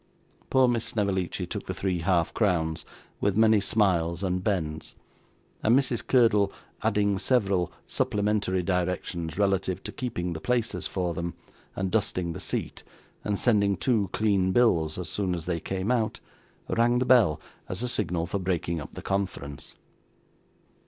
Poor Miss Snevellicci took the three half crowns, with many smiles and bends, and Mrs. Curdle, adding several supplementary directions relative to keeping the places for them, and dusting the seat, and sending two clean bills as soon as they came out, rang the bell, as a signal for breaking up the conference.